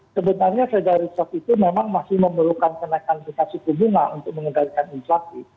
sebenarnya fedarusof itu memang masih memerlukan kenaikan suku bunga untuk mengendalikan inflasi